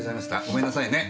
ごめんなさいね。